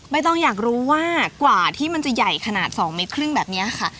ต้องอยากรู้ว่ากว่าที่มันจะใหญ่ขนาด๒เมตรครึ่งแบบนี้ค่ะ